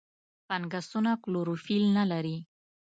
فنګسونه کلوروفیل نه لري.